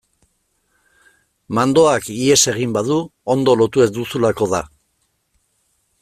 Mandoak ihes egin badu ondo lotu ez duzulako da.